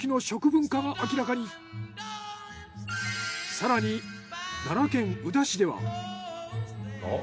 更に奈良県宇陀市では。